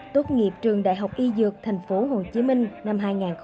tốt nghiệp trường đại học y dược thành phố hồ chí minh năm hai nghìn một mươi